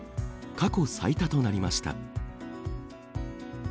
過去最多となりました。